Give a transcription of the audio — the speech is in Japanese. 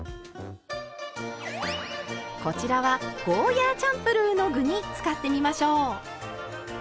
こちらはゴーヤーチャンプルーの具に使ってみましょう。